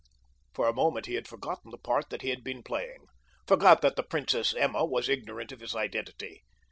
For a moment he had forgotten the part that he had been playing—forgot that the Princess Emma was ignorant of his identity.